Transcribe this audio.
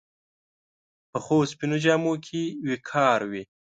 پخو سپینو جامو کې وقار وي